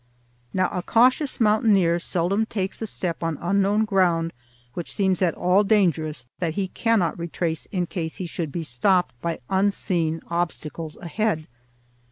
Now, a cautious mountaineer seldom takes a step on unknown ground which seems at all dangerous that he cannot retrace in case he should be stopped by unseen obstacles ahead.